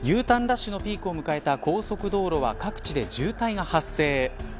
Ｕターンラッシュのピークを迎えた高速道路は各地で渋滞が発生。